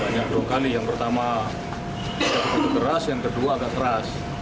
banyak berkali yang pertama agak agak keras yang kedua agak keras